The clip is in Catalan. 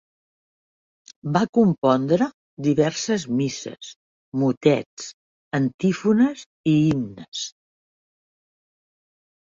Va compondre diverses misses, motets, antífones i himnes.